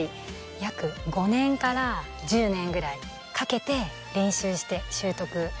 約５年から１０年ぐらいかけて練習して、習得。